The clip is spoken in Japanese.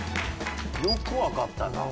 よくわかったな。